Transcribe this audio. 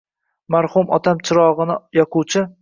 Marhum otam chirogʼini yoquvchi